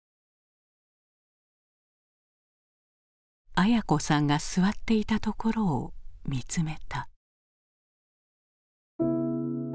文子さんが座っていたところを見つめた。